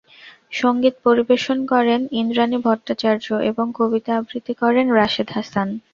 সংগীত পরিবেশন করেন ইন্দ্রানী ভট্টাচার্য এবং কবিতা আবৃত্তি করেন রাশেদ হাসান।